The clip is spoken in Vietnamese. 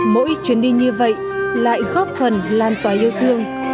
mỗi chuyến đi như vậy lại góp phần lan tỏa yêu thương